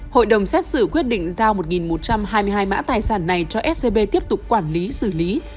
hội đồng xét xử quyết định giao một một trăm hai mươi hai mã tài sản này cho scb tiếp tục quản lý xử lý